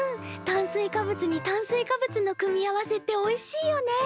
炭水化物に炭水化物の組み合わせっておいしいよね。